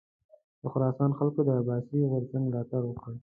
د خراسان خلکو د عباسي غورځنګ ملاتړ وکړ.